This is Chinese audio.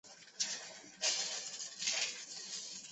直到今天依然在影响中国的文化。